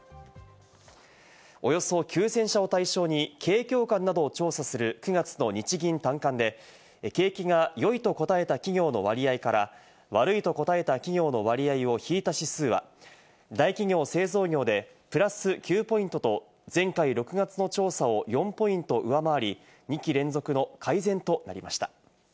およそ９０００社を対象に景況感などを調査する９月の日銀短観で景気が良いと答えた企業の割合から悪いと答えた企業の割合を引いた指数は、大企業・製造業でプラス９ポイントと、前回６月の調査を４ポイント上回り、２期連続の改善となりました。